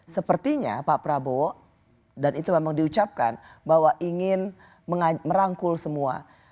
sepertinya pak prabowo dan itu memang diucapkan bahwa ingin merangkul semua